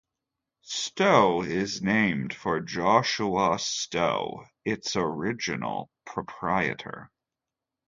Stow is named for Joshua Stow, its original proprietor.